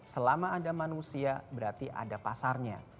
selama ada manusia berarti ada pasarnya